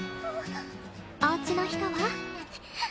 おうちの人は？